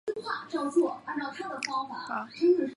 肘髎穴是属于手阳明大肠经的腧穴。